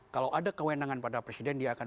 kalau ada kewenangan pada presiden dia akan